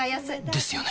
ですよね